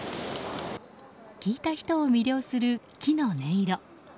聞いた人を魅了する木の音色。